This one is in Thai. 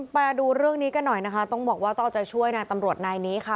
มาดูเรื่องนี้กันหน่อยนะคะต้องบอกว่าต้องเอาใจช่วยนายตำรวจนายนี้ค่ะ